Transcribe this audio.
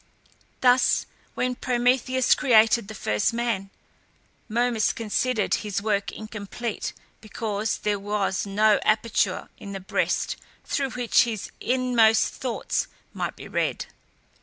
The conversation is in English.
Thus when Prometheus created the first man, Momus considered his work incomplete because there was no aperture in the breast through which his inmost thoughts might be read.